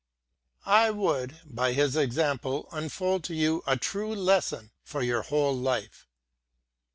I would, by his example, unfold to you a true lesson for your whole life.